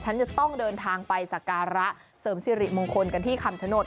ฉันจะต้องเดินทางไปสการะเสริมสิริมงคลกันที่คำชโนธ